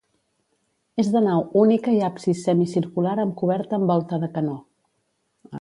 És de nau única i absis semicircular amb coberta amb volta de canó.